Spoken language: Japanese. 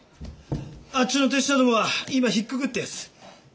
あっちの手下どもは今ひっくくってやす。